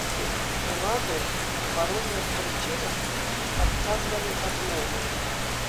Улады па розных прычынах адказвалі адмовай.